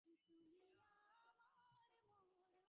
হানিফার কাছে তিনি ঠিক সময়েই এসেছেন।